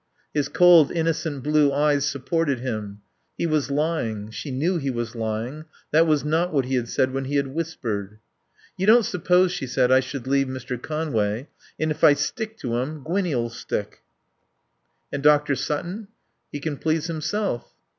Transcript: His cold, innocent blue eyes supported him. He was lying; she knew he was lying; that was not what he had said when he had whispered. "You don't suppose," she said, "I should leave Mr. Conway? And if I stick to him Gwinnie'll stick." "And Dr. Sutton?" "He can please himself."